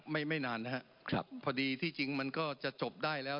ไม่ไม่นานนะครับครับพอดีที่จริงมันก็จะจบได้แล้ว